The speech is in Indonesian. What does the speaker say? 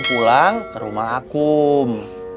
pulang ke rumah akum